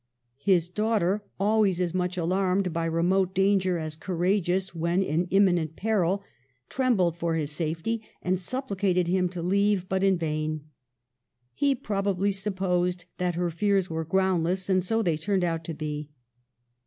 His daughter, always as much alarmed by remote danger as courageous when in imminent peril, trembled for his safety, and supplicated him to leave, but in vain. He probably supposed that her fears were groundless ; and so they turned out to be.